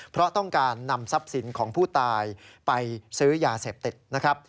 เพราะต้องการนำทรัพย์สินของผู้ตายไปซื้อยาเสพติดนะครับ